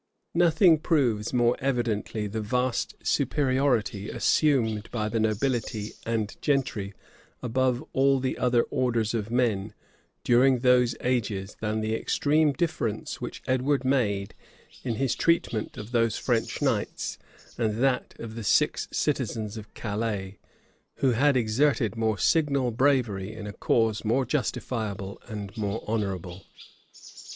Nothing proves more evidently the vast superiority assumed by the nobility and gentry above all the other orders of men, during those ages, than the extreme difference which Edward made in his treatment of these French knights, and that of the six citizens of Calais, who had exerted more signal bravery in a cause more justifiable and more honorable.